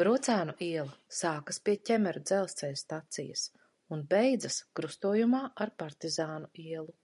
Brocēnu iela sākas pie Ķemeru dzelzceļa stacijas un beidzas krustojumā ar Partizānu ielu.